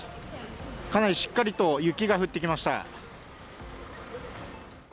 かなりしっかりと雪が降ってきました。